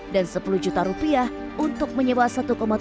dan sepuluh juta rupiah untuk menyewa satu tujuh hektare lahan sisanya